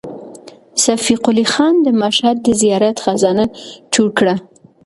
صفي قلي خان د مشهد د زیارت خزانه چور کړه.